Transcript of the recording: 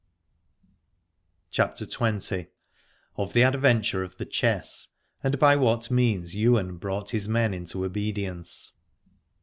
m8 CHAPTER XX. OF THE ADVENTURE OF THE CHESS, AND BY WHAT MEANS YWAIN BROUGHT HIS MEN INTO OBEDIENCE.